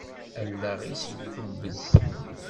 Allaɣ-is yeddubbez.